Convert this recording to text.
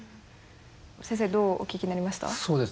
先生どうお聞きになりました？